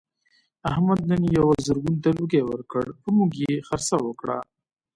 احمد نن یوه زرګون ته لوګی ورکړ په موږ یې خرڅه وکړله.